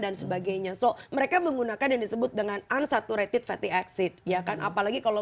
dan sebagainya so mereka menggunakan yang disebut dengan unsaturated fatty acid ya kan apalagi kalau